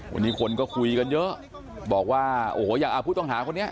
วันนี้คนก็คุยกันเยอะบอกว่าโอ้โหอย่างผู้ต้องหาคนนี้